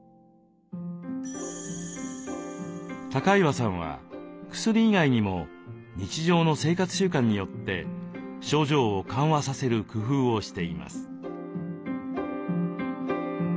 高岩さんは薬以外にも日常の生活習慣によって症状を緩和させる工夫をしています。